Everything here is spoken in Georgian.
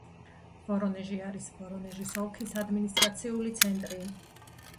ვორონეჟი არის ვორონეჟის ოლქის ადმინისტრაციული ცენტრი.